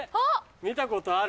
見たことある。